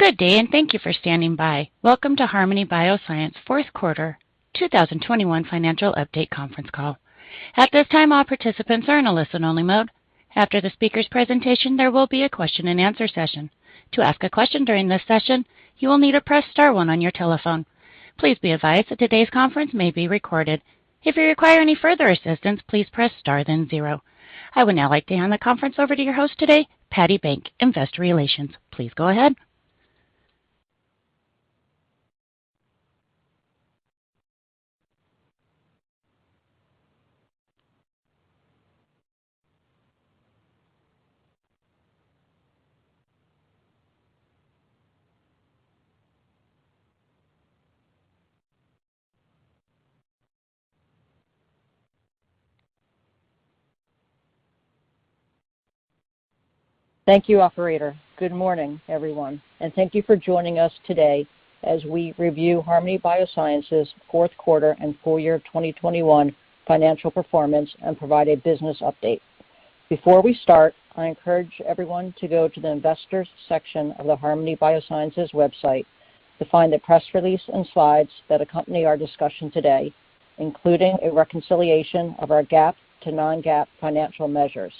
Good day, and thank you for standing by. Welcome to Harmony Biosciences Q4 2021 Financial Update Conference Call. At this time, all participants are in a listen-only mode. After the speaker's presentation, there will be a question-and-answer session. To ask a question during this session, you will need to press star one on your telephone. Please be advised that today's conference may be recorded. If you require any further assistance, please press star then zero. I would now like to hand the conference over to your host today, Patti Bank, Investor Relations. Please go ahead. Thank you, operator. Good morning, everyone, and thank you for joining us today as we review Harmony Biosciences Q4 and full-year 2021 financial performance and provide a business update. Before we start, I encourage everyone to go to the investors section of the harmonybiosciences.com website to find a press release and slides that accompany our discussion today, including a reconciliation of our GAAP to non-GAAP financial measures.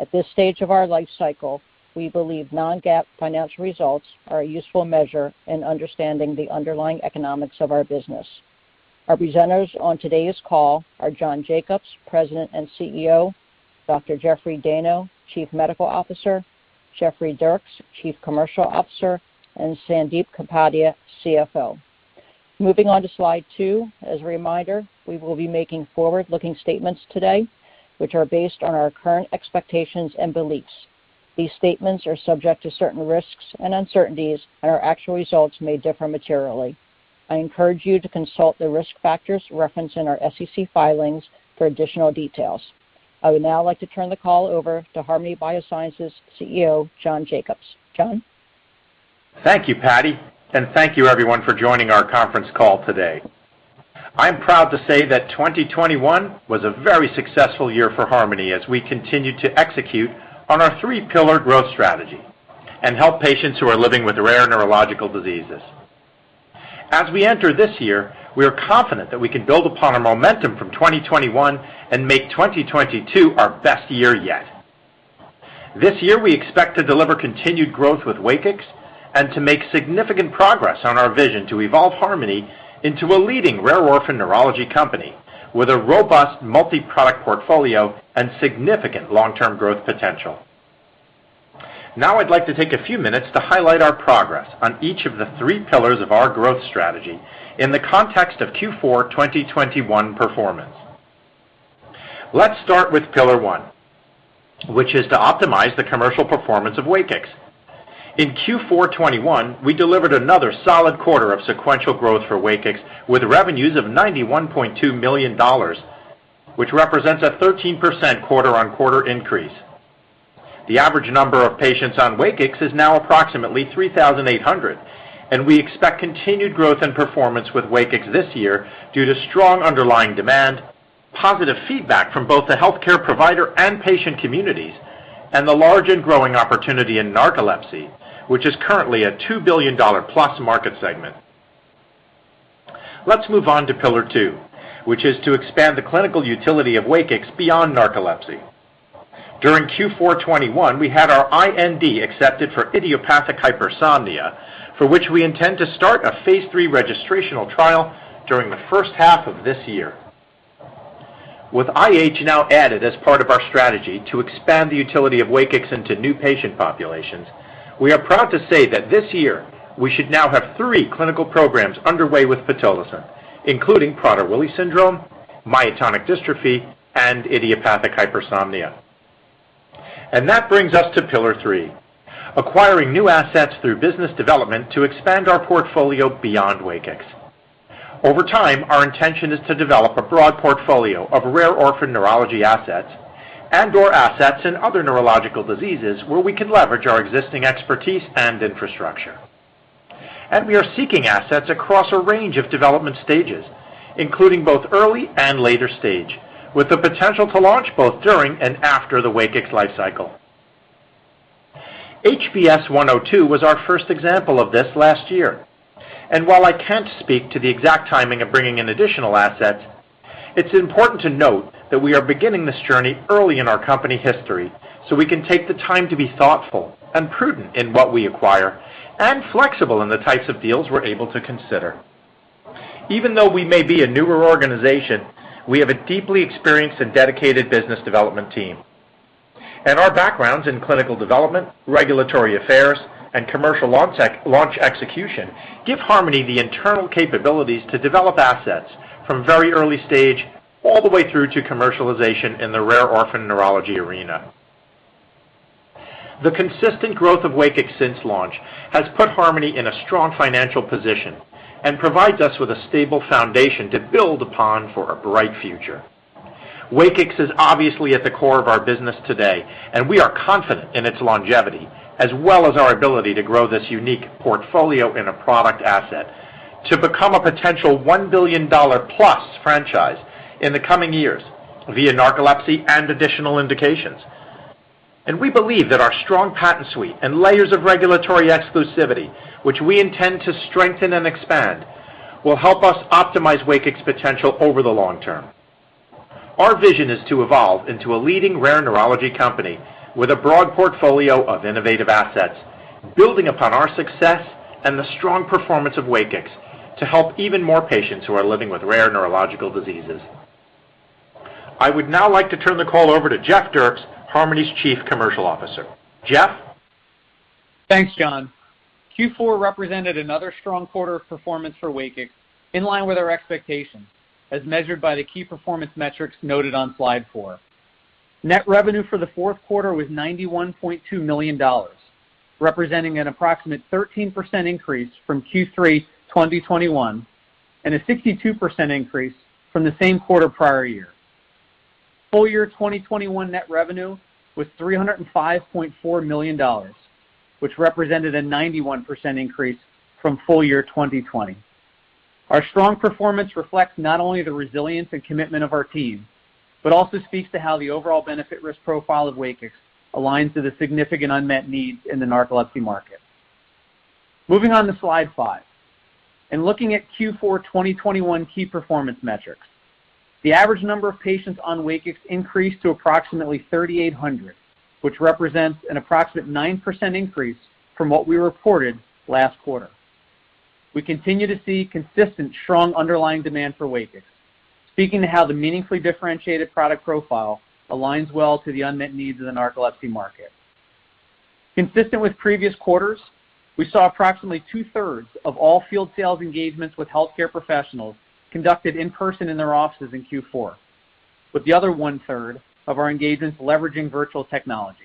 At this stage of our life cycle, we believe non-GAAP financial results are a useful measure in understanding the underlying economics of our business. Our presenters on today's call are John Jacobs, President and CEO, Dr. Jeffrey Dayno, Chief Medical Officer, Jeffrey Dierks, Chief Commercial Officer, and Sandip Kapadia, CFO. Moving on to Slide 2. As a reminder, we will be making forward-looking statements today, which are based on our current expectations and beliefs. These statements are subject to certain risks and uncertainties, and our actual results may differ materially. I encourage you to consult the risk factors referenced in our SEC filings for additional details. I would now like to turn the call over to Harmony Biosciences CEO, John Jacobs. John. Thank you, Patti, and thank you everyone for joining our conference call today. I'm proud to say that 2021 was a very successful year for Harmony as we continued to execute on our three-pillar growth strategy and help patients who are living with rare neurological diseases. As we enter this year, we are confident that we can build upon our momentum from 2021 and make 2022 our best year yet. This year, we expect to deliver continued growth with WAKIX and to make significant progress on our vision to evolve Harmony into a leading rare orphan neurology company with a robust multi-product portfolio and significant long-term growth potential. Now I'd like to take a few minutes to highlight our progress on each of the three pillars of our growth strategy in the context of Q4 2021 performance. Let's start with pillar one, which is to optimize the commercial performance of WAKIX. In Q4 2021, we delivered another solid quarter of sequential growth for WAKIX with revenues of $91.2 million, which represents a 13% quarter-on-quarter increase. The average number of patients on WAKIX is now approximately 3,800, and we expect continued growth and performance with WAKIX this year due to strong underlying demand, positive feedback from both the healthcare provider and patient communities, and the large and growing opportunity in narcolepsy, which is currently a $2 billion-plus market segment. Let's move on to pillar two, which is to expand the clinical utility of WAKIX beyond narcolepsy. During Q4 2021, we had our IND accepted for idiopathic hypersomnia, for which we intend to start a phase III registrational trial during the first half of this year. With IH now added as part of our strategy to expand the utility of WAKIX into new patient populations, we are proud to say that this year we should now have three clinical programs underway with pitolisant, including Prader-Willi syndrome, myotonic dystrophy, and idiopathic hypersomnia. That brings us to pillar three, acquiring new assets through business development to expand our portfolio beyond WAKIX. Over time, our intention is to develop a broad portfolio of rare orphan neurology assets and or assets in other neurological diseases where we can leverage our existing expertise and infrastructure. We are seeking assets across a range of development stages, including both early and later stage, with the potential to launch both during and after the WAKIX lifecycle. HBS-102 was our first example of this last year. While I can't speak to the exact timing of bringing in additional assets, it's important to note that we are beginning this journey early in our company history, so we can take the time to be thoughtful and prudent in what we acquire and flexible in the types of deals we're able to consider. Even though we may be a newer organization, we have a deeply experienced and dedicated business development team. Our backgrounds in clinical development, regulatory affairs, and commercial launch execution give Harmony the internal capabilities to develop assets from very early stage all the way through to commercialization in the rare orphan neurology arena. The consistent growth of WAKIX since launch has put Harmony in a strong financial position and provides us with a stable foundation to build upon for a bright future. WAKIX is obviously at the core of our business today, and we are confident in its longevity as well as our ability to grow this unique portfolio in a product asset to become a potential $1 billion-plus franchise in the coming years via narcolepsy and additional indications. We believe that our strong patent suite and layers of regulatory exclusivity, which we intend to strengthen and expand, will help us optimize WAKIX potential over the long term. Our vision is to evolve into a leading rare neurology company with a broad portfolio of innovative assets, building upon our success and the strong performance of WAKIX to help even more patients who are living with rare neurological diseases. I would now like to turn the call over to Jeff Dierks, Harmony's Chief Commercial Officer. Jeff? Thanks, John. Q4 represented another strong quarter of performance for WAKIX, in line with our expectations as measured by the key performance metrics noted on Slide 4. Net revenue for the Q4 was $91.2 million, representing an approximate 13% increase from Q3 2021 and a 62% increase from the same quarter prior year. Full-year 2021 net revenue was $305.4 million, which represented a 91% increase from full-year 2020. Our strong performance reflects not only the resilience and commitment of our team, but also speaks to how the overall benefit risk profile of WAKIX aligns to the significant unmet needs in the narcolepsy market. Moving on to Slide 5, looking at Q4 2021 key performance metrics, the average number of patients on WAKIX increased to approximately 3,800, which represents an approximate 9% increase from what we reported last quarter. We continue to see consistent, strong underlying demand for WAKIX, speaking to how the meaningfully differentiated product profile aligns well to the unmet needs of the narcolepsy market. Consistent with previous quarters, we saw approximately two-thirds of all field sales engagements with healthcare professionals conducted in person in their offices in Q4, with the other one-third of our engagements leveraging virtual technology.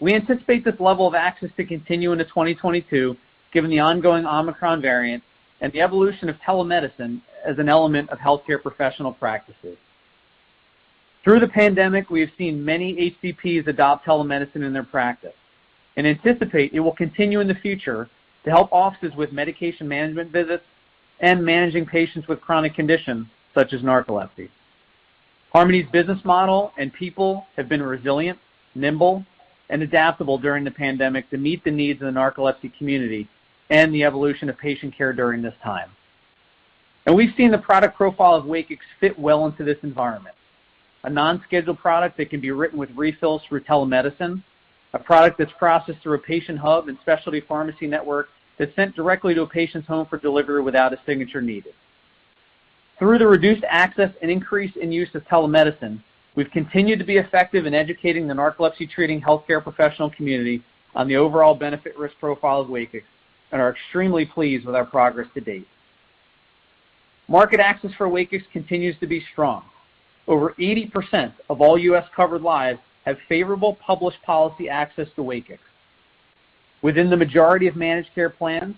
We anticipate this level of access to continue into 2022, given the ongoing Omicron variant and the evolution of telemedicine as an element of healthcare professional practices. Through the pandemic, we have seen many HCPs adopt telemedicine in their practice and anticipate it will continue in the future to help offices with medication management visits and managing patients with chronic conditions such as narcolepsy. Harmony's business model and people have been resilient, nimble, and adaptable during the pandemic to meet the needs of the narcolepsy community and the evolution of patient care during this time. We've seen the product profile of WAKIX fit well into this environment. A non-scheduled product that can be written with refills through telemedicine. A product that's processed through a patient hub and specialty pharmacy network that's sent directly to a patient's home for delivery without a signature needed. Through the reduced access and increase in use of telemedicine, we've continued to be effective in educating the narcolepsy treating healthcare professional community on the overall benefit risk profile of WAKIX and are extremely pleased with our progress to date. Market access for WAKIX continues to be strong. Over 80% of all U.S. covered lives have favorable published policy access to WAKIX. Within the majority of managed care plans,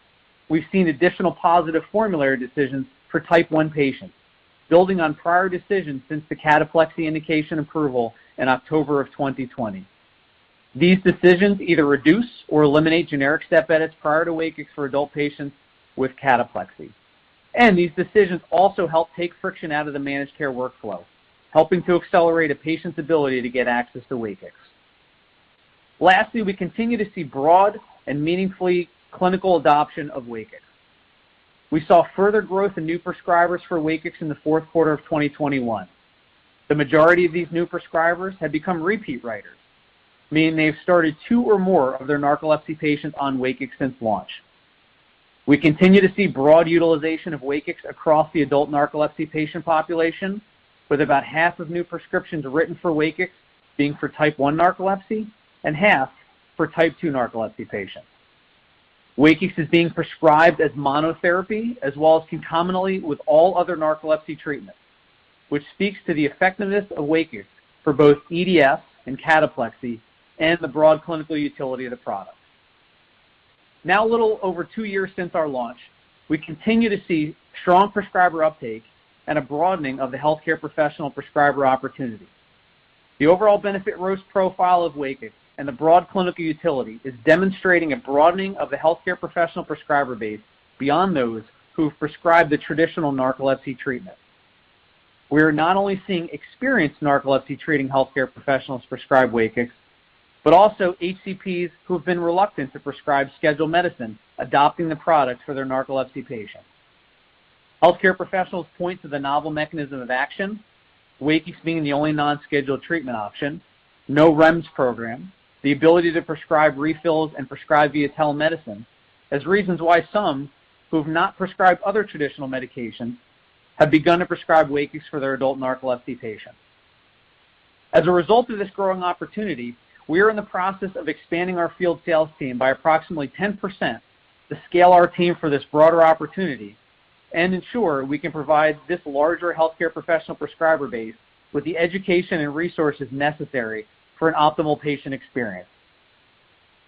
we've seen additional positive formulary decisions for type 1 patients, building on prior decisions since the cataplexy indication approval in October 2020. These decisions either reduce or eliminate generic step edits prior to WAKIX for adult patients with cataplexy. These decisions also help take friction out of the managed care workflow, helping to accelerate a patient's ability to get access to WAKIX. Lastly, we continue to see broad and meaningfully clinical adoption of WAKIX. We saw further growth in new prescribers for WAKIX in the Q4 2021. The majority of these new prescribers have become repeat writers, meaning they've started two or more of their narcolepsy patients on WAKIX since launch. We continue to see broad utilization of WAKIX across the adult narcolepsy patient population, with about half of new prescriptions written for WAKIX being for type one narcolepsy and half for type two narcolepsy patients. WAKIX is being prescribed as monotherapy as well as concomitantly with all other narcolepsy treatments, which speaks to the effectiveness of WAKIX for both EDS and cataplexy and the broad clinical utility of the product. Now a little over two years since our launch, we continue to see strong prescriber uptake and a broadening of the healthcare professional prescriber opportunity. The overall benefit risk profile of WAKIX and the broad clinical utility is demonstrating a broadening of the healthcare professional prescriber base beyond those who have prescribed the traditional narcolepsy treatment. We are not only seeing experienced narcolepsy treating healthcare professionals prescribe WAKIX, but also HCPs who have been reluctant to prescribe scheduled medicine, adopting the product for their narcolepsy patients. Healthcare professionals point to the novel mechanism of action, WAKIX being the only non-scheduled treatment option, no REMS program, the ability to prescribe refills and prescribe via telemedicine as reasons why some who have not prescribed other traditional medications have begun to prescribe WAKIX for their adult narcolepsy patients. As a result of this growing opportunity, we are in the process of expanding our field sales team by approximately 10% to scale our team for this broader opportunity and ensure we can provide this larger healthcare professional prescriber base with the education and resources necessary for an optimal patient experience.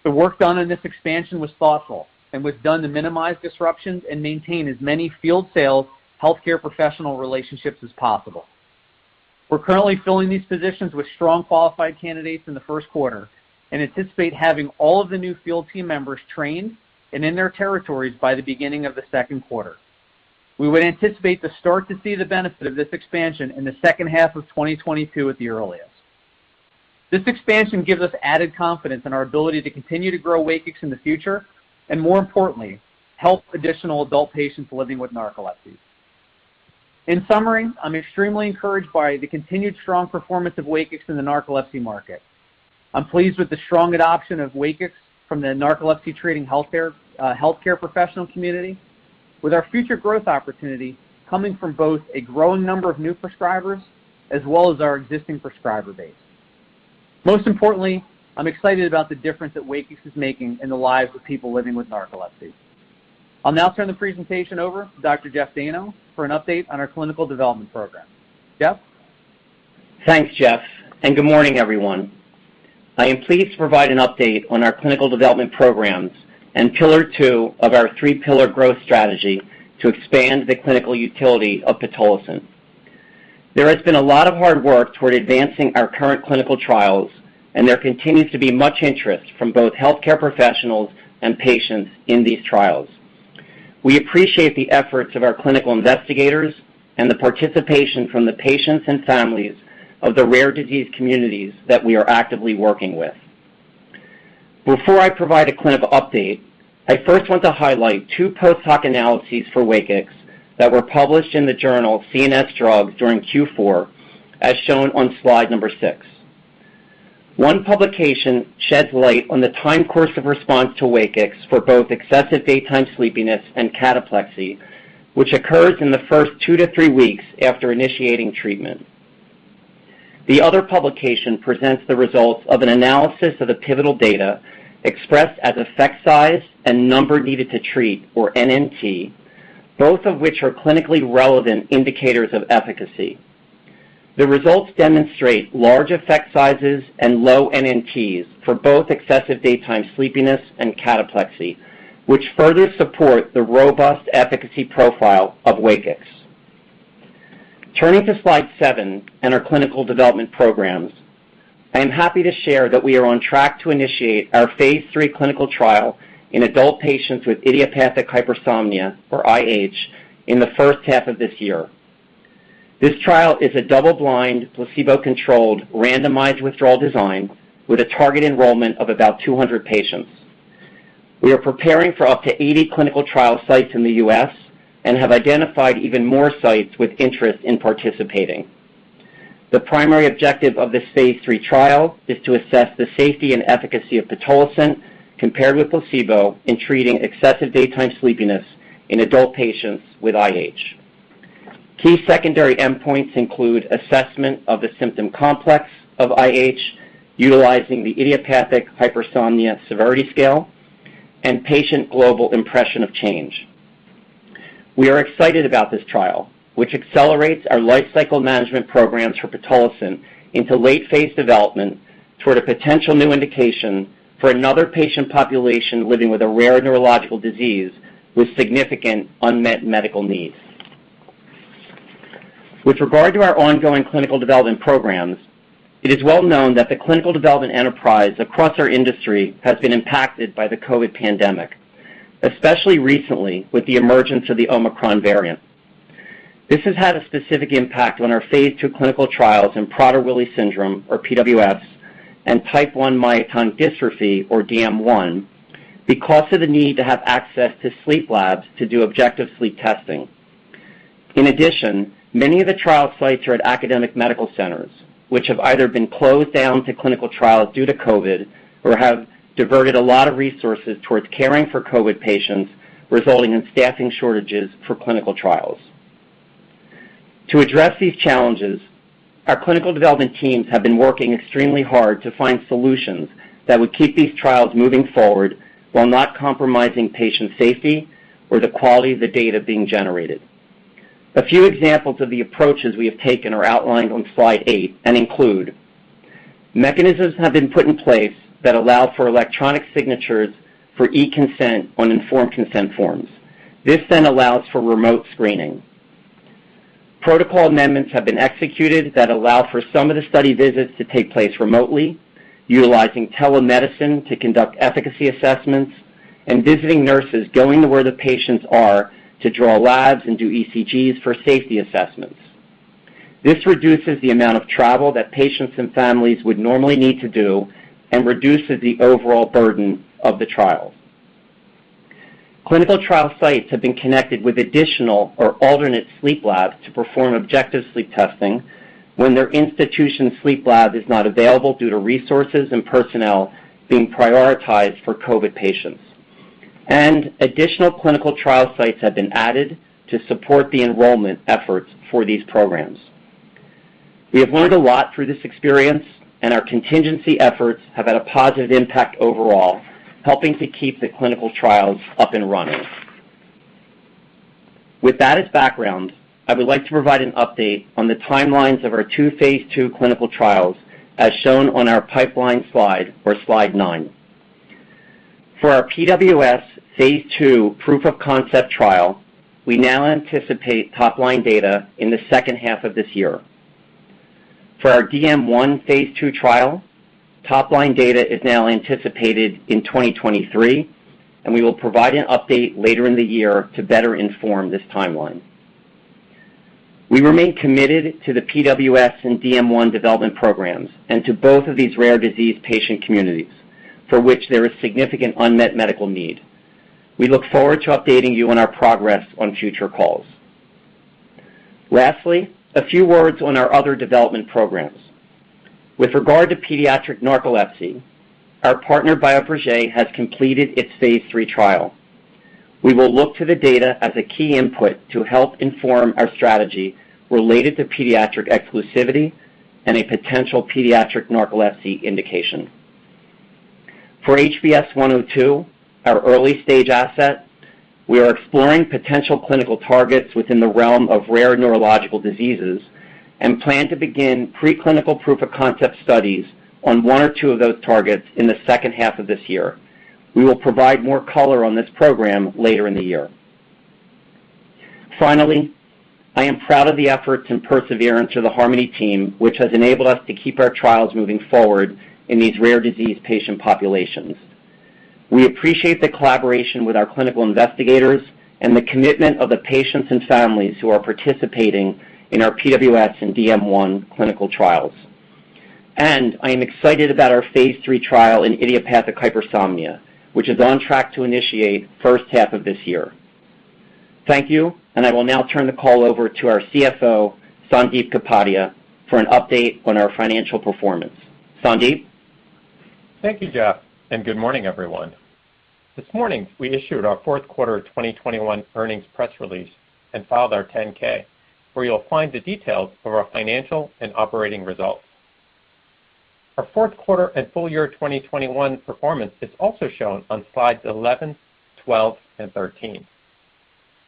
The work done in this expansion was thoughtful and was done to minimize disruptions and maintain as many field sales healthcare professional relationships as possible. We're currently filling these positions with strong qualified candidates in the first quarter and anticipate having all of the new field team members trained and in their territories by the beginning of the Q2. We would anticipate to start to see the benefit of this expansion in the second half of 2022 at the earliest. This expansion gives us added confidence in our ability to continue to grow WAKIX in the future, and more importantly, help additional adult patients living with narcolepsy. In summary, I'm extremely encouraged by the continued strong performance of WAKIX in the narcolepsy market. I'm pleased with the strong adoption of WAKIX from the narcolepsy treating healthcare professional community with our future growth opportunity coming from both a growing number of new prescribers as well as our existing prescriber base. Most importantly, I'm excited about the difference that WAKIX is making in the lives of people living with narcolepsy. I'll now turn the presentation over to Dr. Jeffrey Dayno for an update on our clinical development program. Jeff? Thanks, Jeff, and good morning, everyone. I am pleased to provide an update on our clinical development programs and two-pillar of our three-pillar growth strategy to expand the clinical utility of pitolisant. There has been a lot of hard work toward advancing our current clinical trials, and there continues to be much interest from both healthcare professionals and patients in these trials. We appreciate the efforts of our clinical investigators and the participation from the patients and families of the rare disease communities that we are actively working with. Before I provide a clinical update, I first want to highlight two post hoc analyses for WAKIX that were published in the journal CNS Drugs during Q4, as shown on Slide 6. One publication sheds light on the time course of response to WAKIX for both excessive daytime sleepiness and cataplexy, which occurs in the first two to three weeks after initiating treatment. The other publication presents the results of an analysis of the pivotal data expressed as effect size and number needed to treat or NNT, both of which are clinically relevant indicators of efficacy. The results demonstrate large effect sizes and low NNTs for both excessive daytime sleepiness and cataplexy, which further support the robust efficacy profile of WAKIX. Turning to Slide 7 and our clinical development programs. I am happy to share that we are on track to initiate our phase III clinical trial in adult patients with idiopathic hypersomnia or IH in the first half of this year. This trial is a double-blind, placebo-controlled, randomized withdrawal design with a target enrollment of about 200 patients. We are preparing for up to 80 clinical trial sites in the U.S. and have identified even more sites with interest in participating. The primary objective of this phase III trial is to assess the safety and efficacy of pitolisant compared with placebo in treating excessive daytime sleepiness in adult patients with IH. Key secondary endpoints include assessment of the symptom complex of IH utilizing the Idiopathic Hypersomnia Severity Scale and patient global impression of change. We are excited about this trial, which accelerates our lifecycle management programs for pitolisant into late phase development toward a potential new indication for another patient population living with a rare neurological disease with significant unmet medical needs. With regard to our ongoing clinical development programs, it is well known that the clinical development enterprise across our industry has been impacted by the COVID-19 pandemic, especially recently with the emergence of the Omicron variant. This has had a specific impact on our Phase II clinical trials in Prader-Willi syndrome or PWS and type 1 myotonic dystrophy or DM1 because of the need to have access to sleep labs to do objective sleep testing. In addition, many of the trial sites are at academic medical centers, which have either been closed down to clinical trials due to COVID-19 or have diverted a lot of resources towards caring for COVID-19 patients, resulting in staffing shortages for clinical trials. To address these challenges, our clinical development teams have been working extremely hard to find solutions that would keep these trials moving forward while not compromising patient safety or the quality of the data being generated. A few examples of the approaches we have taken are outlined on Slide 8 and include, mechanisms have been put in place that allow for electronic signatures for e-consent on informed consent forms. This then allows for remote screening. Protocol amendments have been executed that allow for some of the study visits to take place remotely, utilizing telemedicine to conduct efficacy assessments and visiting nurses going to where the patients are to draw labs and do ECGs for safety assessments. This reduces the amount of travel that patients and families would normally need to do and reduces the overall burden of the trials. Clinical trial sites have been connected with additional or alternate sleep labs to perform objective sleep testing when their institution sleep lab is not available due to resources and personnel being prioritized for COVID-19 patients. Additional clinical trial sites have been added to support the enrollment efforts for these programs. We have learned a lot through this experience and our contingency efforts have had a positive impact overall, helping to keep the clinical trials up and running. With that as background, I would like to provide an update on the timelines of our two phase II clinical trials as shown on our pipeline slide or Slide 9. For our PWS phase II proof of concept trial, we now anticipate top-line data in the second half of this year. For our DM1 Phase II trial, top-line data is now anticipated in 2023, and we will provide an update later in the year to better inform this timeline. We remain committed to the PWS and DM1 development programs and to both of these rare disease patient communities for which there is significant unmet medical need. We look forward to updating you on our progress on future calls. Lastly, a few words on our other development programs. With regard to pediatric narcolepsy, our partner, Bioprojet, has completed its phase III trial. We will look to the data as a key input to help inform our strategy related to pediatric exclusivity and a potential pediatric narcolepsy indication. For HBS-102, our early-stage asset, we are exploring potential clinical targets within the realm of rare neurological diseases and plan to begin preclinical proof of concept studies on one or two of those targets in the second half of this year. We will provide more color on this program later in the year. Finally, I am proud of the efforts and perseverance of the Harmony team, which has enabled us to keep our trials moving forward in these rare disease patient populations. We appreciate the collaboration with our clinical investigators and the commitment of the patients and families who are participating in our PWS and DM1 clinical trials. I am excited about our phase III trial in idiopathic hypersomnia, which is on track to initiate first half of this year. Thank you, and I will now turn the call over to our CFO, Sandip Kapadia, for an update on our financial performance. Sandip. Thank you, Jeff, and good morning, everyone. This morning, we issued our Q4 2021 earnings press release and filed our 10-K, where you'll find the details of our financial and operating results. Our Q4 and full-year 2021 performance is also shown on Slides 11-13.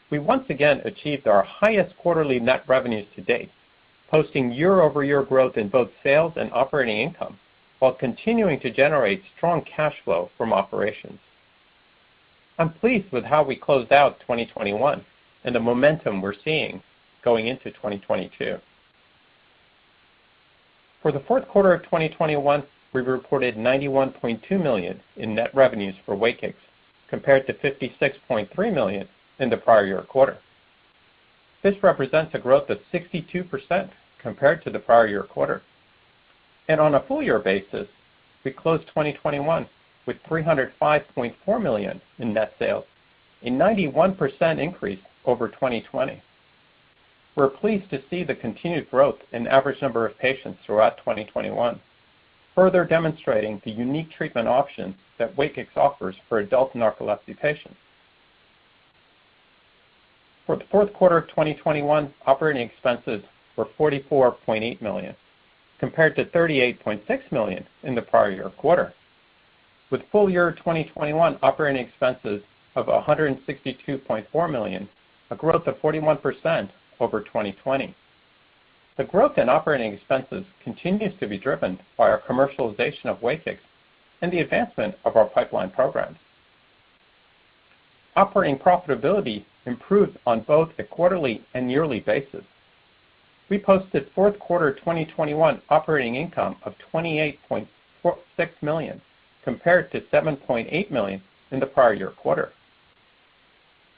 We once again achieved our highest quarterly net revenues to date, posting year-over-year growth in both sales and operating income, while continuing to generate strong cash flow from operations. I'm pleased with how we closed out 2021 and the momentum we're seeing going into 2022. For the Q4 2021, we reported $91.2 million in net revenues for WAKIX compared to $56.3 million in the prior year quarter. This represents a growth of 62% compared to the prior year quarter. On a full-year basis, we closed 2021 with $305.4 million in net sales, a 91% increase over 2020. We're pleased to see the continued growth in average number of patients throughout 2021, further demonstrating the unique treatment options that WAKIX offers for adult narcolepsy patients. For the Q4 of 2021, operating expenses were $44.8 million, compared to $38.6 million in the prior year quarter. With full year 2021 operating expenses of $162.4 million, a growth of 41% over 2020. The growth in operating expenses continues to be driven by our commercialization of WAKIX and the advancement of our pipeline programs. Operating profitability improved on both a quarterly and yearly basis. We posted Q4 2021 operating income of $28.6 million, compared to $7.8 million in the prior year quarter.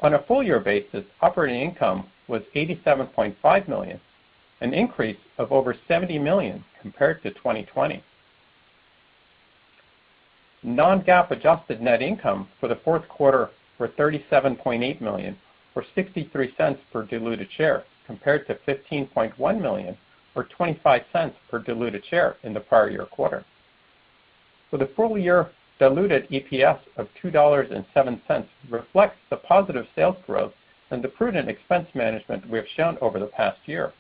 On a full year basis, operating income was $87.5 million, an increase of over $70 million compared to 2020. Non-GAAP adjusted net income for the fourth quarter were $37.8 million or $0.63 per diluted share, compared to $15.1 million or $0.25 per diluted share in the prior year quarter. For the full-year diluted EPS of $2.07 reflects the positive sales growth and the prudent expense management we have shown over the past year.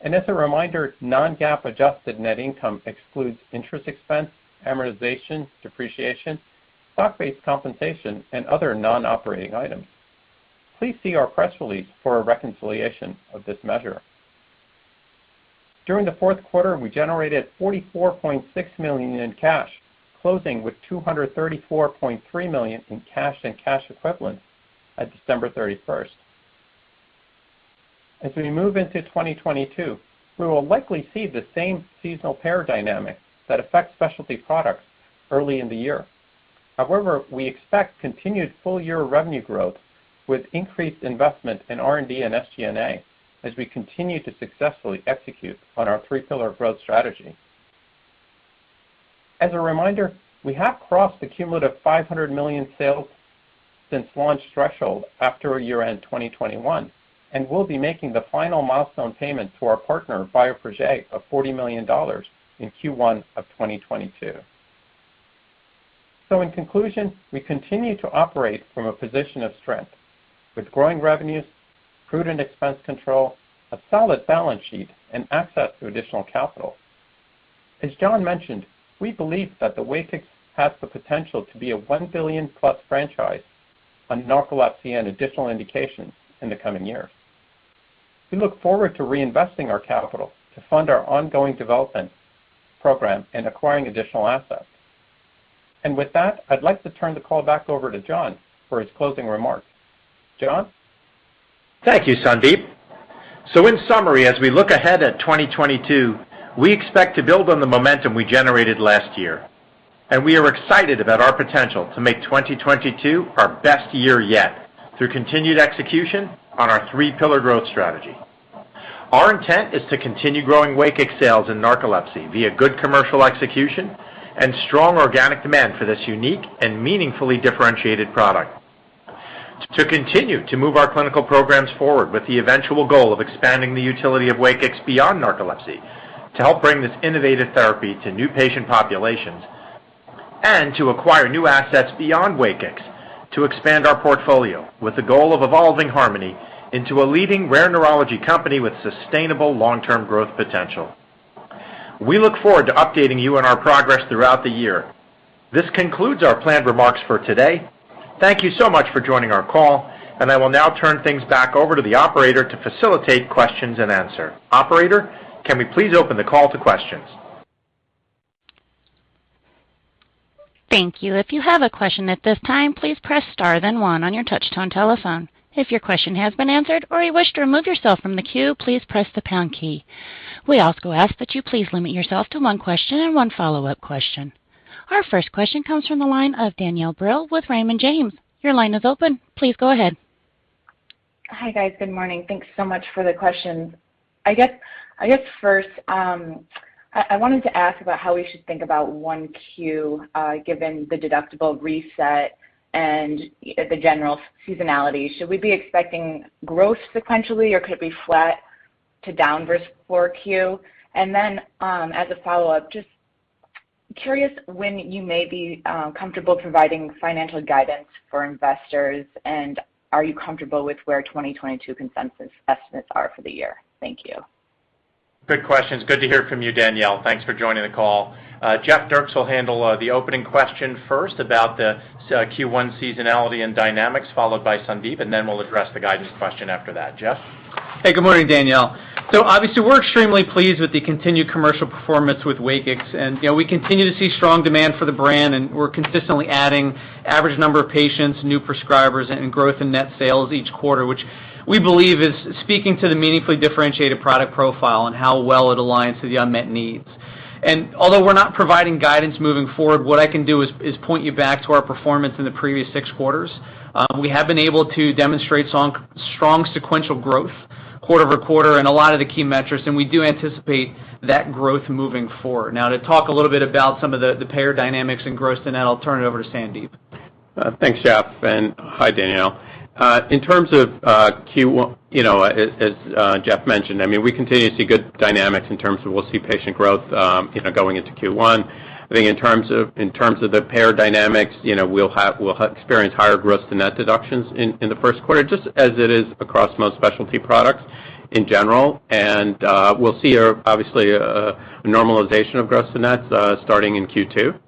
As a reminder, non-GAAP adjusted net income excludes interest expense, amortization, depreciation, stock-based compensation, and other non-operating items. Please see our press release for a reconciliation of this measure. During the Q4, we generated $44.6 million in cash, closing with $234.3 million in cash and cash equivalents at December 31. As we move into 2022, we will likely see the same seasonal payer dynamic that affects specialty products early in the year. However, we expect continued full-year revenue growth with increased investment in R&D and SG&A as we continue to successfully execute on our three pillar growth strategy. As a reminder, we have crossed the cumulative $500 million sales since launch threshold after year-end 2021, and we'll be making the final milestone payment to our partner, Bioprojet, of $40 million in Q1 2022. In conclusion, we continue to operate from a position of strength with growing revenues, prudent expense control, a solid balance sheet, and access to additional capital. As John mentioned, we believe that the WAKIX has the potential to be a $1 billion-plus franchise on narcolepsy and additional indications in the coming years. We look forward to reinvesting our capital to fund our ongoing development program and acquiring additional assets. With that, I'd like to turn the call back over to John for his closing remarks. John? Thank you, Sandip. In summary, as we look ahead at 2022, we expect to build on the momentum we generated last year. We are excited about our potential to make 2022 our best year yet through continued execution on our three-pillar growth strategy. Our intent is to continue growing WAKIX sales in narcolepsy via good commercial execution and strong organic demand for this unique and meaningfully differentiated product, to continue to move our clinical programs forward with the eventual goal of expanding the utility of WAKIX beyond narcolepsy to help bring this innovative therapy to new patient populations, and to acquire new assets beyond WAKIX to expand our portfolio with the goal of evolving Harmony into a leading rare neurology company with sustainable long-term growth potential. We look forward to updating you on our progress throughout the year. This concludes our planned remarks for today. Thank you so much for joining our call, and I will now turn things back over to the operator to facilitate questions and answers. Operator, can we please open the call to questions? Thank you. If you have a question at this time, please press Star then one on your touch-tone telephone. If your question has been answered or you wish to remove yourself from the queue, please press the pound key. We also ask that you please limit yourself to one question and one follow-up question. Our first question comes from the line of Danielle Brill with Raymond James. Your line is open. Please go ahead. Hi, guys. Good morning. Thanks so much for the questions. I guess first, I wanted to ask about how we should think about 1Q, given the deductible reset and the general seasonality. Should we be expecting growth sequentially, or could it be flat to down risk for Q? As a follow-up, just curious when you may be comfortable providing financial guidance for investors, and are you comfortable with where 2022 consensus estimates are for the year? Thank you. Good questions. Good to hear from you, Danielle. Thanks for joining the call. Jeff Dierks will handle the opening question first about the Q1 seasonality and dynamics, followed by Sandeep, and then we'll address the guidance question after that. Jeff? Hey, good morning, Danielle. Obviously, we're extremely pleased with the continued commercial performance with WAKIX's. You know, we continue to see strong demand for the brand, and we're consistently adding average number of patients, new prescribers, and growth in net sales each quarter, which we believe is speaking to the meaningfully differentiated product profile and how well it aligns to the unmet needs. Although we're not providing guidance moving forward, what I can do is point you back to our performance in the previous six quarters. We have been able to demonstrate strong sequential growth quarter-over-quarter in a lot of the key metrics, and we do anticipate that growth moving forward. Now, to talk a little bit about some of the payer dynamics and gross, then I'll turn it over to Sandeep. Thanks, Jeff, and hi, Danielle. In terms of Q1, as Jeff mentioned, I mean, we continue to see good dynamics in terms of we'll see patient growth, you know, going into Q1. I think in terms of the payer dynamics, you know, we'll have, we'll experience higher gross to net deductions in the first quarter, just as it is across most specialty products in general. We'll see obviously a normalization of gross to nets starting in Q2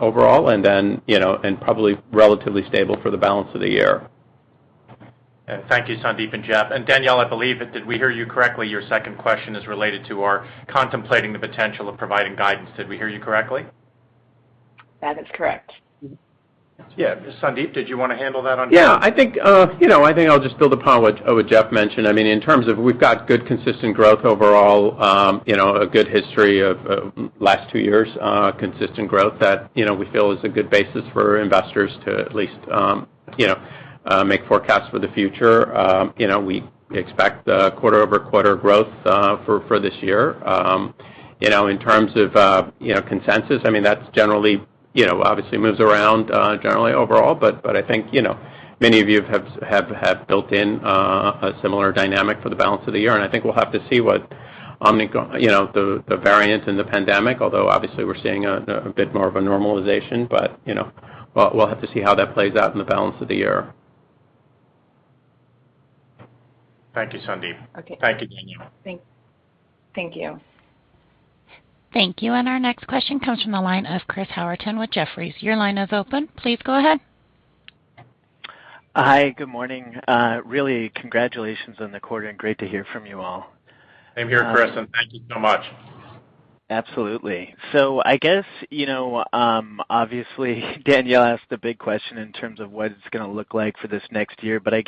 overall, and then, probably relatively stable for the balance of the year. Thank you, Sandeep and Jeff. Danielle, I believe, did we hear you correctly? Your second question is related to our contemplating the potential of providing guidance. Did we hear you correctly? That is correct. Yeah. Sandeep, did you wanna handle that on- Yeah, I think you know, I think I'll just build upon what Jeff mentioned. I mean, in terms of we've got good consistent growth overall, you know, a good history of last two years consistent growth that, we feel is a good basis for investors to at least you know make forecasts for the future. We expect quarter-over-quarter growth for this year. In terms of consensus, I mean, that's generally you know obviously moves around generally overall. I think you know, many of you have built in a similar dynamic for the balance of the year. I think we'll have to see what Omicron, you know, the variant in the pandemic, although obviously we're seeing a bit more of a normalization, but, we'll have to see how that plays out in the balance of the year. Thank you, Sandip. Okay. Thank you, Danielle. Thank you. Thank you. Our next question comes from the line of Chris Howerton with Jefferies. Your line is open. Please go ahead. Hi, good morning. Really congratulations on the quarter and great to hear from you all. Same here, Chris, and thank you so much. Absolutely. I guess, you know, obviously, Danielle asked the big question in terms of what it's gonna look like for this next year. I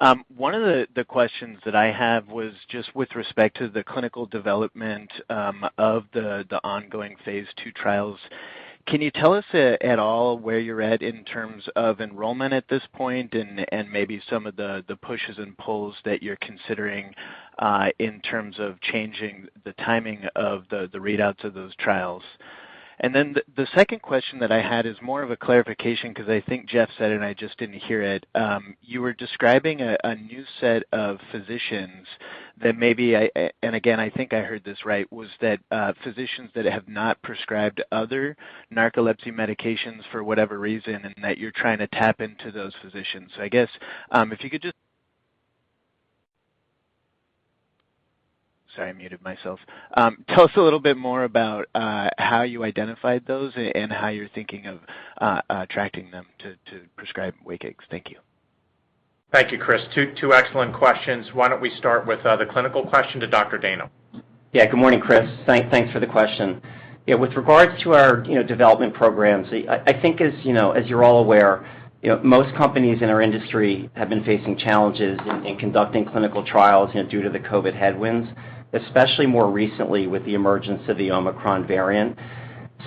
guess, one of the questions that I have was just with respect to the clinical development of the ongoing phase II trials. Can you tell us at all where you're at in terms of enrollment at this point and maybe some of the pushes and pulls that you're considering in terms of changing the timing of the readouts of those trials? The second question that I had is more of a clarification because I think Jeff said it, and I just didn't hear it. You were describing a new set of physicians and again, I think I heard this right, was that physicians that have not prescribed other narcolepsy medications for whatever reason and that you're trying to tap into those physicians. I guess, if you could just—Sorry, I muted myself. Tell us a little bit more about how you identified those and how you're thinking of attracting them to prescribe WAKIX. Thank you. Thank you, Chris. Two excellent questions. Why don't we start with the clinical question to Dr. Dayno? Yeah, good morning, Chris. Thanks for the question. Yeah, with regards to our, development programs, I think as, as you're all aware, most companies in our industry have been facing challenges in conducting clinical trials, you know, due to the COVID-19 headwinds, especially more recently with the emergence of the Omicron variant.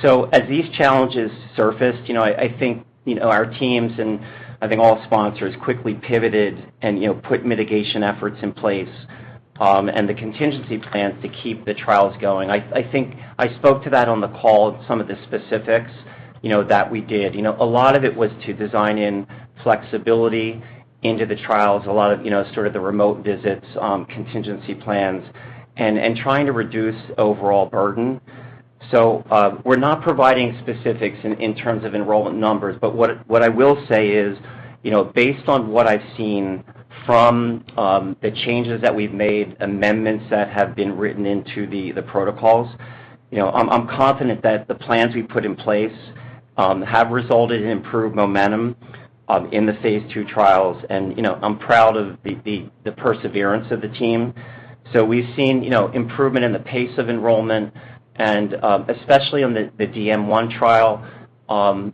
As these challenges surfaced, think, our teams and I think all sponsors quickly pivoted and, put mitigation efforts in place, and the contingency plans to keep the trials going. I think I spoke to that on the call, some of the specifics, that we did. A lot of it was to design in flexibility into the trials, a lot of, sort of the remote visits, contingency plans and trying to reduce overall burden. We're not providing specifics in terms of enrollment numbers, but what I will say is, based on what I've seen from the changes that we've made, amendments that have been written into the protocols, you know, I'm confident that the plans we've put in place have resulted in improved momentum in the Phase II trials. I'm proud of the perseverance of the team. We've seen, improvement in the pace of enrollment and, especially on the DM1 trial.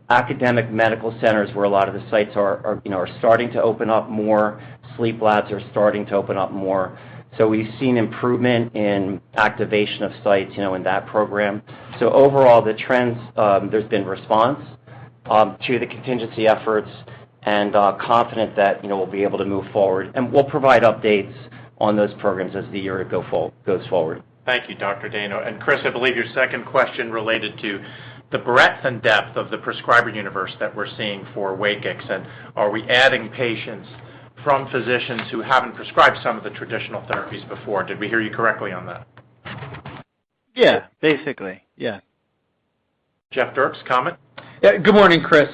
Academic medical centers where a lot of the sites are, you know, are starting to open up more, sleep labs are starting to open up more. We've seen improvement in activation of sites, in that program. Overall, the trends, there's been response to the contingency efforts and confident that, you know, we'll be able to move forward. We'll provide updates on those programs as the year goes forward. Thank you, Dr. Dayno. Chris, I believe your second question related to the breadth and depth of the prescriber universe that we're seeing for WAKIX, and are we adding patients from physicians who haven't prescribed some of the traditional therapies before? Did we hear you correctly on that? Yeah. Basically. Yeah. Jeff Dierks, comment? Yeah. Good morning, Chris.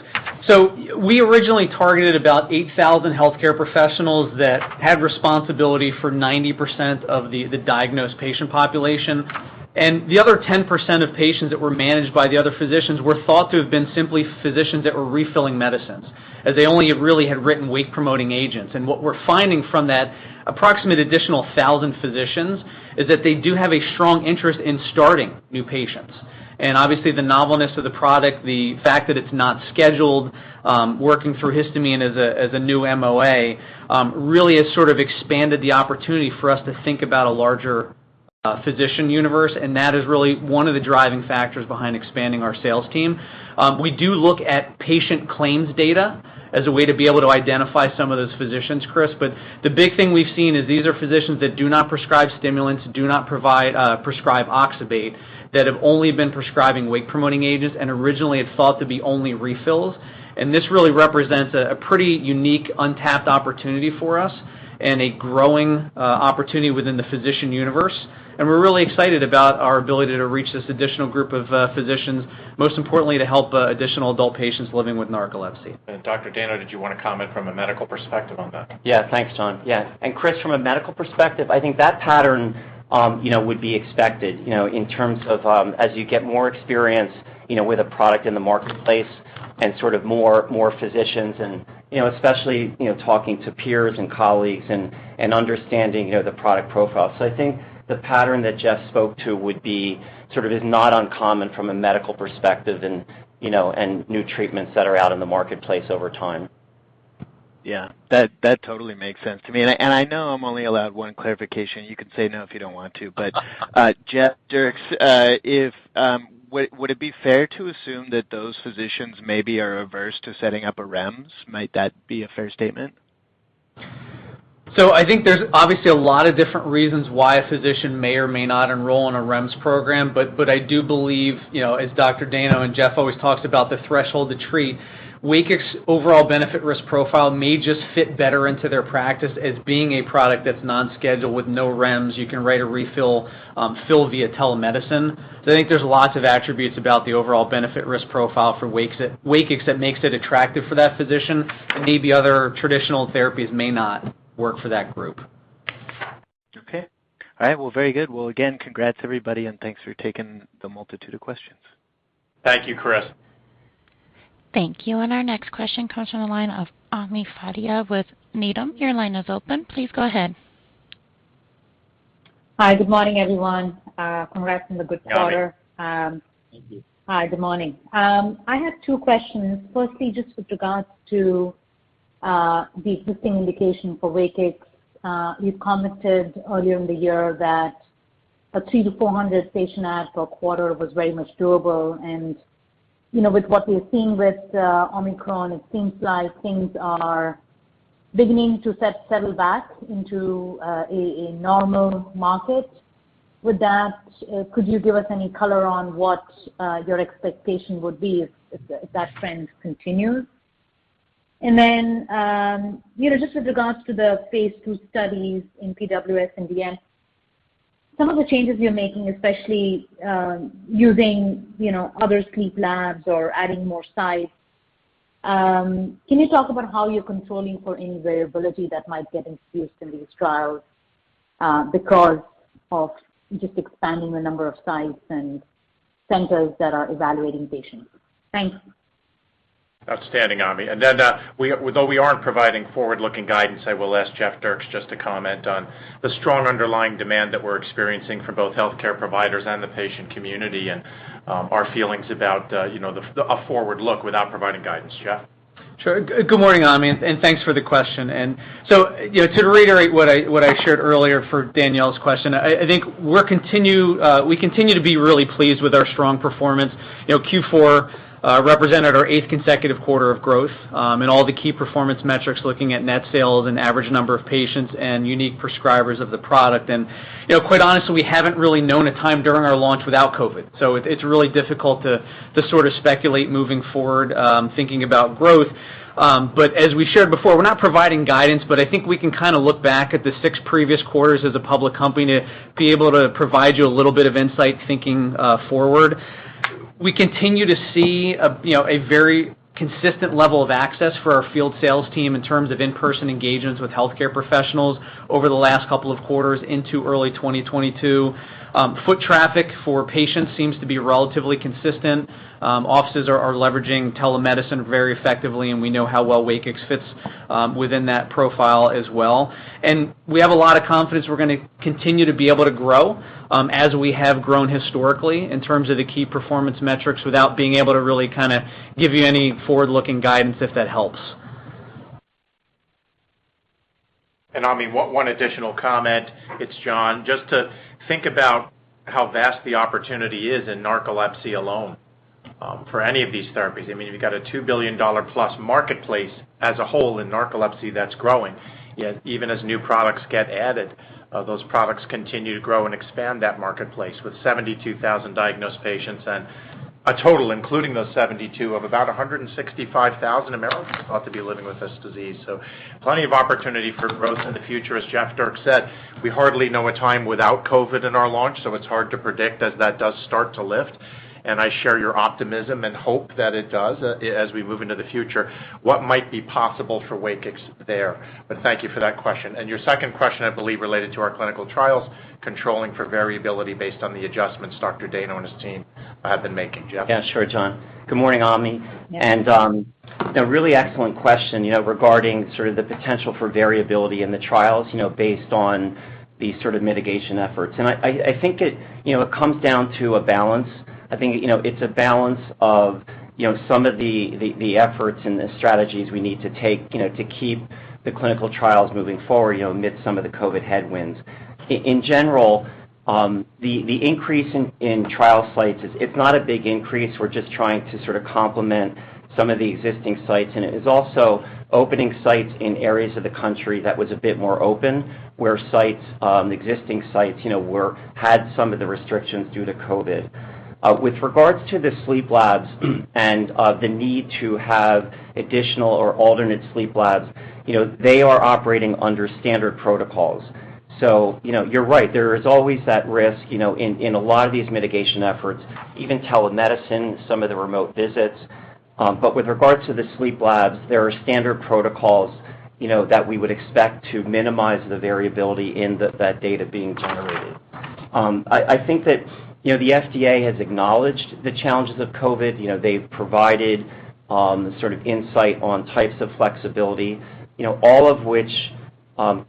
We originally targeted about 8,000 healthcare professionals that had responsibility for 90% of the diagnosed patient population. The other 10% of patients that were managed by the other physicians were thought to have been simply physicians that were refilling medicines, as they only really had written wake promoting agents. What we're finding from that approximate additional 1,000 physicians is that they do have a strong interest in starting new patients. Obviously, the novelness of the product, the fact that it's not scheduled, working through histamine as a new MOA, really has sort of expanded the opportunity for us to think about a larger physician universe. That is really one of the driving factors behind expanding our sales team. We do look at patient claims data as a way to be able to identify some of those physicians, Chris. The big thing we've seen is these are physicians that do not prescribe stimulants, do not prescribe oxybate, that have only been prescribing wake promoting agents and originally had thought to be only refills. This really represents a pretty unique untapped opportunity for us and a growing opportunity within the physician universe. We're really excited about our ability to reach this additional group of physicians, most importantly, to help additional adult patients living with narcolepsy. Dr. Dayno, did you wanna comment from a medical perspective on that? Yeah. Thanks, John. Yeah. Chris, from a medical perspective, I think that pattern, would be expected, in terms of, as you get more experience, you know, with a product in the marketplace and sort of more physicians and, you know, especially, you know, talking to peers and colleagues and understanding, you know, the product profile. I think the pattern that Jeff spoke to would be sort of is not uncommon from a medical perspective and, you know, and new treatments that are out in the marketplace over time. Yeah. That totally makes sense to me. I know I'm only allowed one clarification. You can say no if you don't want to. Jeff Dierks, would it be fair to assume that those physicians maybe are averse to setting up a REMS? Might that be a fair statement? I think there's obviously a lot of different reasons why a physician may or may not enroll in a REMS program. I do believe, as Dr. Dayno and Jeff always talks about the threshold to treat, WAKIX overall benefit risk profile may just fit better into their practice as being a product that's non-schedule with no REMS. You can write a refill, fill via telemedicine. I think there's lots of attributes about the overall benefit risk profile for WAKIX that makes it attractive for that physician, and maybe other traditional therapies may not work for that group. Okay. All right. Well, very good. Well, again, congrats everybody, and thanks for taking the multitude of questions. Thank you, Chris. Thank you. Our next question comes from the line of Ami Fadia with Needham. Your line is open. Please go ahead. Hi, good morning, everyone. Congrats on the good quarter. Morning. Thank you. Hi, good morning. I have two questions. Firstly, just with regards to the existing indication for WAKIX. You commented earlier in the year that 300-400 patient adds per quarter was very much doable. With what we're seeing with Omicron, it seems like things are beginning to settle back into a normal market. With that, could you give us any color on what your expectation would be if that trend continues? you know, just with regards to the Phase II studies in PWS and DM1, some of the changes you're making, especially using, you know, other sleep labs or adding more sites, can you talk about how you're controlling for any variability that might get introduced in these trials, because of just expanding the number of sites and centers that are evaluating patients? Thanks. Outstanding, Ami. Though we aren't providing forward-looking guidance, I will ask Jeff Dierks just to comment on the strong underlying demand that we're experiencing for both healthcare providers and the patient community and our feelings about a forward look without providing guidance. Jeff? Sure. Good morning, Ami, and thanks for the question. To reiterate what I shared earlier for Danielle's question, I think we continue to be really pleased with our strong performance.Q4 represented our eighth consecutive quarter of growth in all the key performance metrics, looking at net sales and average number of patients and unique prescribers of the product. You know, quite honestly, we haven't really known a time during our launch without COVID-19. It's really difficult to sort of speculate moving forward, thinking about growth. As we shared before, we're not providing guidance, but I think we can kind of look back at the six previous quarters as a public company to be able to provide you a little bit of insight thinking forward. We continue to see you know a very consistent level of access for our field sales team in terms of in-person engagements with healthcare professionals over the last couple of quarters into early 2022. Foot traffic for patients seems to be relatively consistent. Offices are leveraging telemedicine very effectively, and we know how well WAKIX fits within that profile as well. We have a lot of confidence we're gonna continue to be able to grow as we have grown historically in terms of the key performance metrics without being able to really kind of give you any forward-looking guidance, if that helps. Ami, one additional comment, it's John. Just to think about how vast the opportunity is in narcolepsy alone, for any of these therapies. I mean, you've got a $2 billion-plus marketplace as a whole in narcolepsy that's growing, yet even as new products get added, those products continue to grow and expand that marketplace with 72,000 diagnosed patients and a total, including those 72,000, of about 165,000 Americans thought to be living with this disease. Plenty of opportunity for growth in the future. As Jeff Dierks said, we hardly know a time without COVID in our launch, so it's hard to predict as that does start to lift. I share your optimism and hope that it does as we move into the future, what might be possible for WAKIX there. Thank you for that question. Your second question, I believe, related to our clinical trials, controlling for variability based on the adjustments Dr. Dayno and his team have been making. Jeff? Yeah, sure, John. Good morning, Ami. Yeah. A really excellent question, regarding sort of the potential for variability in the trials, based on these sort of mitigation efforts. I think it comes down to a balance. I think, it's a balance of, some of the efforts and the strategies we need to take, you know, to keep the clinical trials moving forward, amid some of the COVID-19 headwinds. In general, the increase in trial sites is not a big increase. We're just trying to sort of complement some of the existing sites, and it is also opening sites in areas of the country that was a bit more open, where sites, existing sites, you know, had some of the restrictions due to COVID-19. With regards to the sleep labs and the need to have additional or alternate sleep labs, you know, they are operating under standard protocols. You're right. There is always that risk, in a lot of these mitigation efforts, even telemedicine, some of the remote visits. With regards to the sleep labs, there are standard protocols, that we would expect to minimize the variability in the data being generated. I think that, you know, the FDA has acknowledged the challenges of COVID-19. They've provided sort of insight on types of flexibility, all of which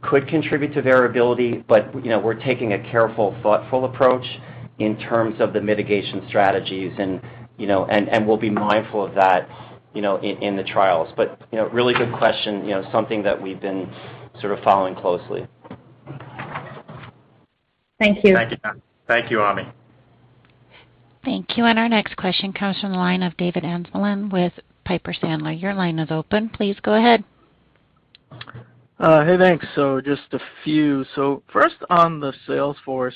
could contribute to variability. We're taking a careful, thoughtful approach in terms of the mitigation strategies and we'll be mindful of that, you know, in the trials. really good question, something that we've been sort of following closely. Thank you. Thank you, John. Thank you, Ami. Thank you. Our next question comes from the line of David Amsellem with Piper Sandler. Your line is open. Please go ahead. Hey, thanks. Just a few. First on the sales force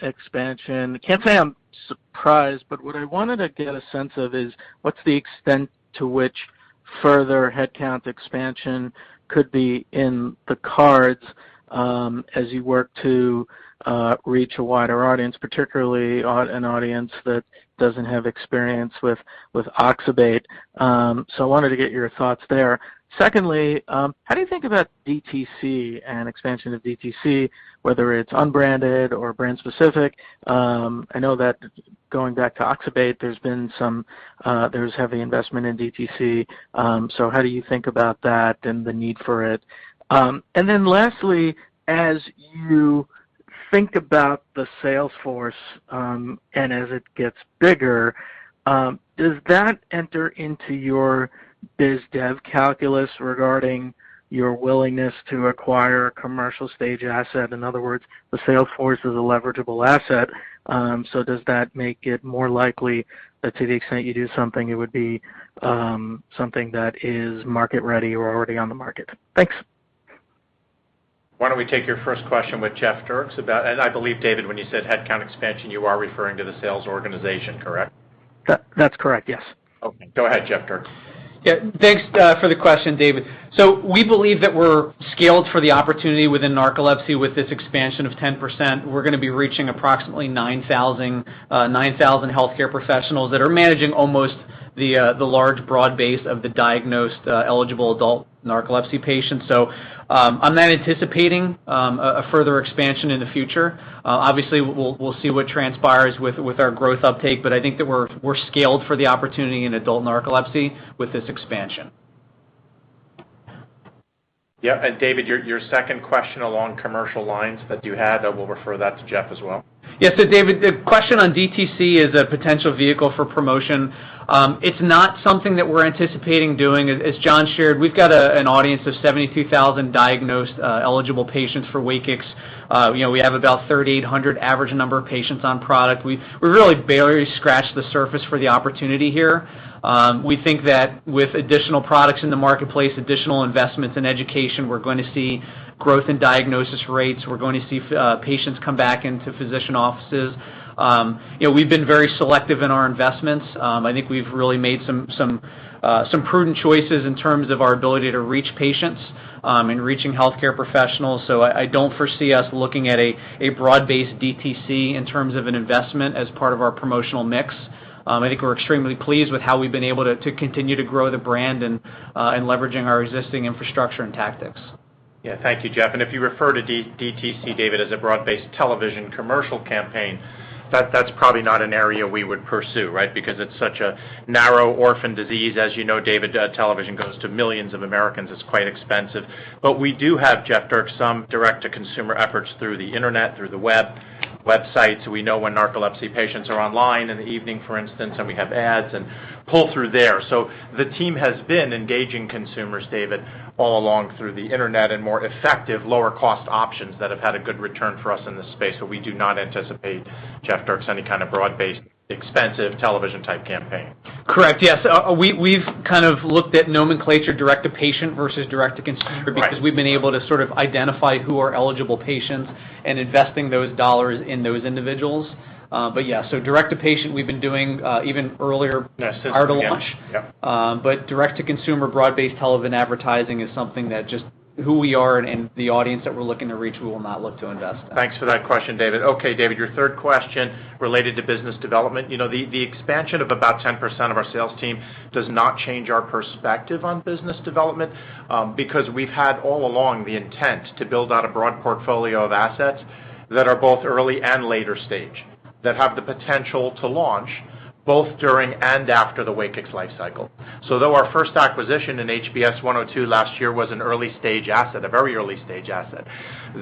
expansion. I can't say I'm surprised, but what I wanted to get a sense of is what's the extent to which further headcount expansion could be in the cards, as you work to reach a wider audience, particularly an audience that doesn't have experience with oxybate. I wanted to get your thoughts there. Secondly, how do you think about DTC and expansion of DTC, whether it's unbranded or brand specific? I know that going back to oxybate, there's heavy investment in DTC. How do you think about that and the need for it? Lastly, as you think about the sales force, and as it gets bigger, does that enter into your biz dev calculus regarding your willingness to acquire a commercial stage asset? In other words, the sales force is a leverageable asset, so does that make it more likely that to the extent you do something, it would be, something that is market ready or already on the market? Thanks. Why don't we take your first question with Jeff Dierks about... I believe, David, when you said headcount expansion, you are referring to the sales organization, correct? That, that's correct, yes. Okay. Go ahead, Jeff Dierks. Yeah. Thanks for the question, David. We believe that we're scaled for the opportunity within narcolepsy with this expansion of 10%. We're gonna be reaching approximately 9,000 healthcare professionals that are managing almost the large broad base of the diagnosed eligible adult narcolepsy patients. I'm not anticipating a further expansion in the future. Obviously we'll see what transpires with our growth uptake, but I think that we're scaled for the opportunity in adult narcolepsy with this expansion. Yeah. David, your second question along commercial lines that you had, I will refer that to Jeff as well. David, the question on DTC as a potential vehicle for promotion, it's not something that we're anticipating doing. As John shared, we've got an audience of 72,000 diagnosed, eligible patients for WAKIX. You know, we have about 3,800 average number of patients on product. We really barely scratched the surface for the opportunity here. We think that with additional products in the marketplace, additional investments in education, we're going to see growth in diagnosis rates. We're going to see patients come back into physician offices. We've been very selective in our investments. I think we've really made some prudent choices in terms of our ability to reach patients, in reaching healthcare professionals. I don't foresee us looking at a broad-based DTC in terms of an investment as part of our promotional mix. I think we're extremely pleased with how we've been able to continue to grow the brand and in leveraging our existing infrastructure and tactics. Yeah. Thank you, Jeff. If you refer to DTC, David Amsellem, as a broad-based television commercial campaign, that's probably not an area we would pursue, right? Because it's such a narrow orphan disease. As you know, David Amsellem, television goes to millions of Americans. It's quite expensive. We do have, Jeff Dierks, some direct-to-consumer efforts through the internet, through the web, websites. We know when narcolepsy patients are online in the evening, for instance, and we have ads and pull through there. The team has been engaging consumers, David Amsellem, all along through the internet and more effective lower cost options that have had a good return for us in this space. We do not anticipate, Jeff Dierks, any kind of broad-based expensive television type campaign. Correct. Yes. We've kind of looked at nomenclature direct to patient versus direct to consumer. Right... because we've been able to sort of identify who are eligible patients and investing those dollars in those individuals. Yeah, direct to patient we've been doing, even earlier- Yes. Since the beginning. prior to launch. Yep. Direct to consumer broad-based television advertising is something that just isn't who we are and the audience that we're looking to reach, we will not look to invest in. Thanks for that question, David. Okay, David, your third question related to business development. You know, the expansion of about 10% of our sales team does not change our perspective on business development, because we've had all along the intent to build out a broad portfolio of assets that are both early and later stage, that have the potential to launch both during and after the WAKIX lifecycle. Though our first acquisition in HBS-102 last year was an early stage asset, a very early stage asset,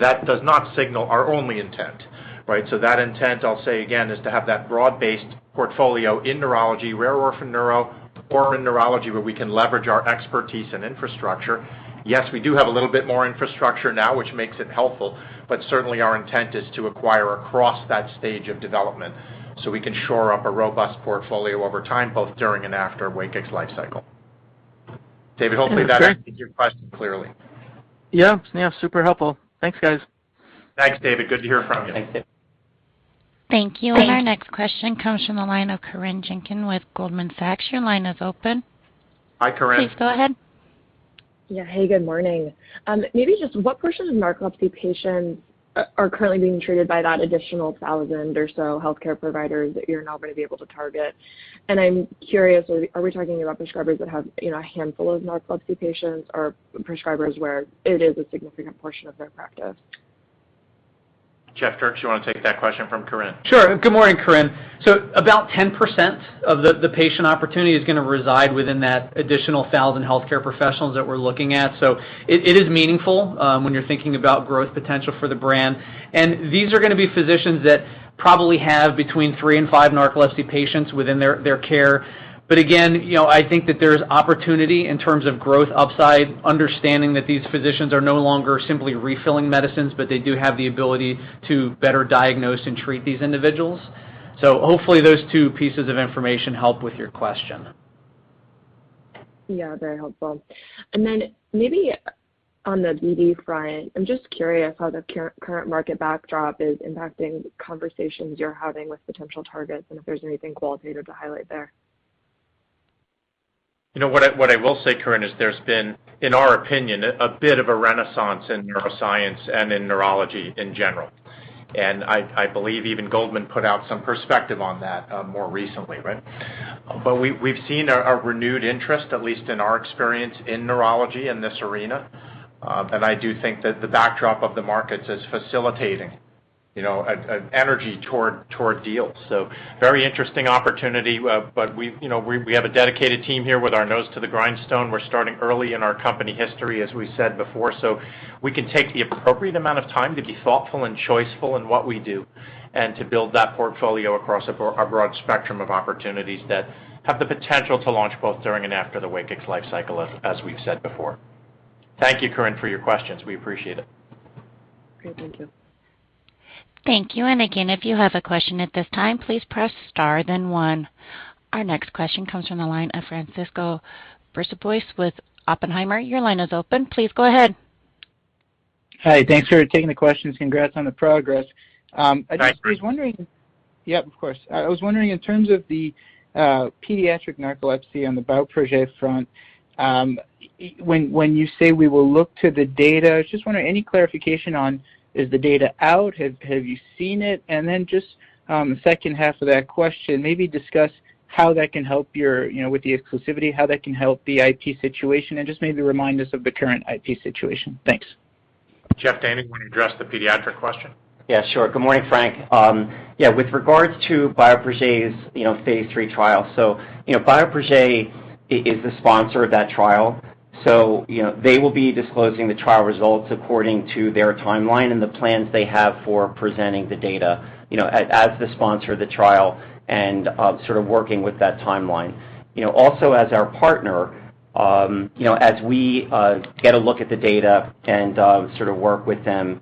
that does not signal our only intent, right? That intent, I'll say again, is to have that broad-based portfolio in neurology, rare orphan neuro or in neurology where we can leverage our expertise and infrastructure. Yes, we do have a little bit more infrastructure now, which makes it helpful, but certainly our intent is to acquire across that stage of development, so we can shore up a robust portfolio over time, both during and after WAKIX lifecycle. David, hopefully that answered your question clearly. Yeah. Yeah, super helpful. Thanks, guys. Thanks, David. Good to hear from you. Thank you. Thank you. Our next question comes from the line of Corinne Jenkins with Goldman Sachs. Your line is open. Hi, Corinne. Please go ahead. Yeah. Hey, good morning. Maybe just what portion of narcolepsy patients are currently being treated by that additional 1,000 or so healthcare providers that you're now gonna be able to target? I'm curious, are we talking about prescribers that have, you know, a handful of narcolepsy patients or prescribers where it is a significant portion of their practice? Jeff Dierks, do you wanna take that question from Corinne? Sure. Good morning, Corinne. About 10% of the patient opportunity is gonna reside within that additional 1,000 healthcare professionals that we're looking at. It is meaningful when you're thinking about growth potential for the brand. These are gonna be physicians that probably have between 3 and 5 narcolepsy patients within their care. Again, I think that there's opportunity in terms of growth upside, understanding that these physicians are no longer simply refilling medicines, but they do have the ability to better diagnose and treat these individuals. Hopefully those two pieces of information help with your question. Yeah, very helpful. Maybe on the BD front, I'm just curious how the current market backdrop is impacting conversations you're having with potential targets and if there's anything qualitative to highlight there? You know what I will say, Corinne, is there's been, in our opinion, a bit of a renaissance in neuroscience and in neurology in general. I believe even Goldman put out some perspective on that more recently, right? We've seen a renewed interest, at least in our experience in neurology in this arena. I do think that the backdrop of the markets is facilitating, you know, an energy toward deals. Very interesting opportunity. You know we have a dedicated team here with our nose to the grindstone. We're starting early in our company history, as we said before, so we can take the appropriate amount of time to be thoughtful and choiceful in what we do and to build that portfolio across a broad spectrum of opportunities that have the potential to launch both during and after the WAKIX lifecycle as we've said before. Thank you, Corinne, for your questions. We appreciate it. Great. Thank you. Thank you. Again, if you have a question at this time, please press star then one. Our next question comes from the line of Francois Brisebois with Oppenheimer. Your line is open. Please go ahead. Hi. Thanks for taking the questions. Congrats on the progress. I was just wondering. Hi. Yeah, of course. I was wondering in terms of the pediatric narcolepsy on the Bioprojet front, when you say we will look to the data, I was just wondering any clarification on is the data out? Have you seen it? And then just second half of that question, maybe discuss how that can help your, with the exclusivity, how that can help the IP situation, and just maybe remind us of the current IP situation. Thanks. Jeff Dayno, want to address the pediatric question? Yeah, sure. Good morning, Frank. Yeah, with regards to Bioprojet's, Phase III trial. Bioprojet is the sponsor of that trial, so, they will be disclosing the trial results according to their timeline and the plans they have for presenting the data, you know, as the sponsor of the trial and sort of working with that timeline. You know, also as our partner, you know, as we get a look at the data and sort of work with them,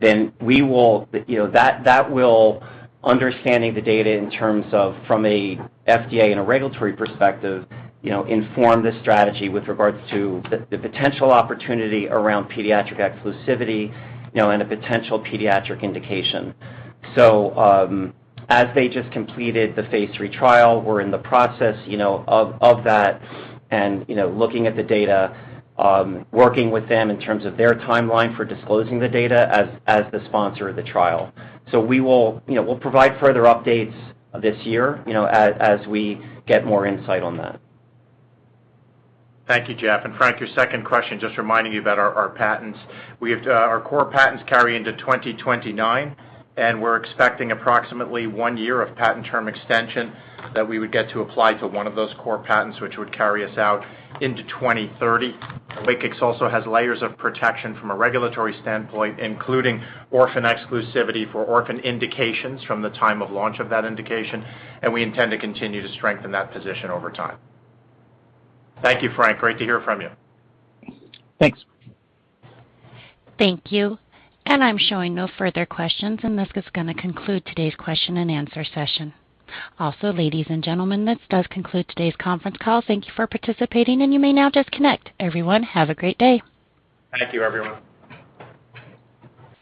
then we will understand the data in terms of from an FDA and a regulatory perspective, you know, inform the strategy with regards to the potential opportunity around pediatric exclusivity, and a potential pediatric indication. As they just completed the phase III trial, we're in the process, of that and, looking at the data, working with them in terms of their timeline for disclosing the data as the sponsor of the trial. We'll provide further updates this year, you know, as we get more insight on that. Thank you, Jeff. Frank, your second question, just reminding you about our patents. Our core patents carry into 2029, and we're expecting approximately one year of patent term extension that we would get to apply to one of those core patents, which would carry us out into 2030. WAKIX also has layers of protection from a regulatory standpoint, including orphan exclusivity for orphan indications from the time of launch of that indication, and we intend to continue to strengthen that position over time. Thank you, Frank. Great to hear from you. Thanks. Thank you. I'm showing no further questions, and this is gonna conclude today's question and answer session. Also, ladies and gentlemen, this does conclude today's conference call. Thank you for participating, and you may now disconnect. Everyone, have a great day. Thank you, everyone.